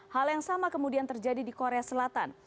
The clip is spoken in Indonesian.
hal yang sama kemudian terjadi di korea selatan